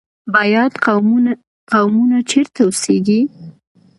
بیات قومونه چیرته اوسیږي؟